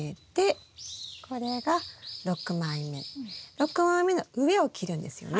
６枚目の上を切るんですよね？